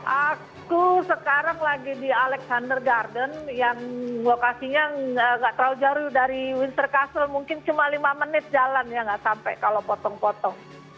aku sekarang lagi di alexander garden yang lokasinya nggak terlalu jauh dari windsor castle mungkin cuma lima menit jalan ya nggak sampai kalau potong potong